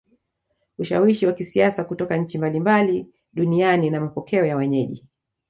Ushawishi wa kisiasa kutoka nchi mbalimbali duniani na mapokeo ya wenyeji